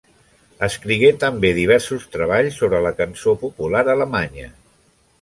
Escrigué també diversos treballs sobre la cançó popular alemanya.